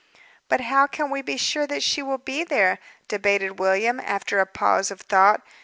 "But how can we be sure that she will be there?" debated William, after a pause of thought.